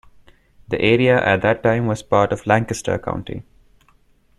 The area at that time was part of Lancaster County.